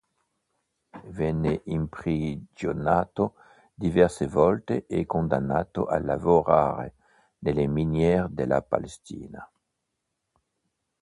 Venne imprigionato diverse volte e condannato a lavorare nelle miniere della Palestina.